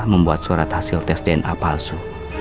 membuat surat hasil tes dna palsu